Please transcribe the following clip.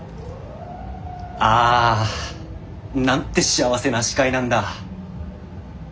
ああなんて幸せな視界なんだ。